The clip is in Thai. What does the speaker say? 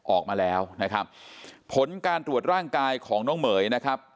ออกมาแล้วนะครับผลการตรวจร่างกายของน้องเหม๋ยนะครับ